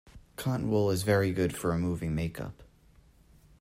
Cotton wool is very good for removing make-up